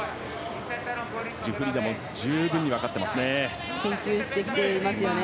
ジュフリダも十分に分かっていますね。